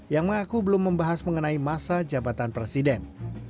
yang mengaku belum membahas mengenai masa jabatan presiden